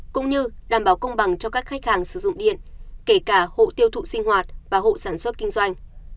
cũng như đảm bảo công bằng cho các khách hàng sử dụng điện kể cả hộ tiêu thụ sinh hoạt và hộ sản xuất kinh doanh